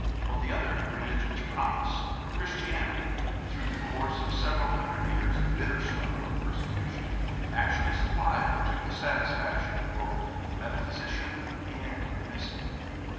What the other religions promised, Christianity, through the course of several hundred years of bitter struggle and persecution, actually supplied to the satisfaction of both the metaphysician and the mystic.